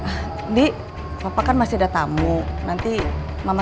ah di bapak kan masih ada tamu nanti mama